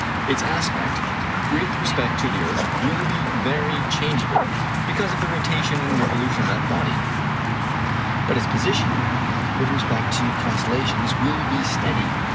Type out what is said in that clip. Its aspect with respect to the earth will be very changeable, because of the rotation and revolution of that body, but its position with respect to constellations will be steady.